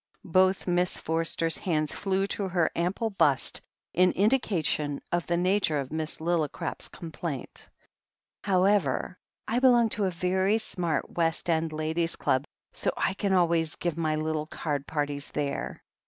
Both Miss Forster's hands flew to her ample bust, in indication of the nature of Miss Lillicrap's com plaint. "However, I belong to a very smart West End Ladies' Club, so I can always give my little card parties there.